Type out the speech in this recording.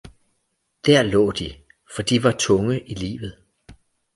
der lå de, for de var tunge i livet.